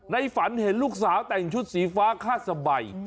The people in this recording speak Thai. ฝันเห็นลูกสาวแต่งชุดสีฟ้าคาดสบาย